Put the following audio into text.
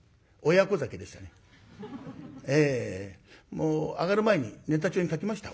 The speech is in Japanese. もう上がる前にネタ帳に書きました。